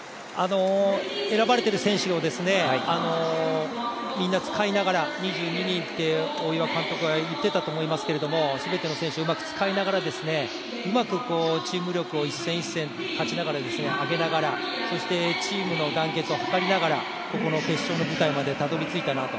選ばれてる選手をみんな使いながら２２人って大岩監督は言っていたと思いますけれども全ての選手をうまく使いながら、うまくチーム力を一戦一戦勝ちながら、上げながら、そしてチームの団結を図りながらここの決勝の舞台までたどり着いたなと。